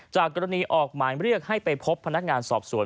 จากกรณีออกหมายเรียกให้ไปพบพนักงานสอบสวน